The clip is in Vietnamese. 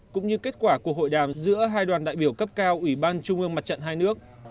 cũng như kết quả của hội đàm giữa hai đoàn đại biểu cấp cao ủy ban trung ương mặt trận hai nước